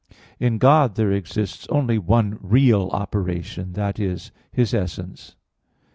In God there exists only one real operation that is, His essence.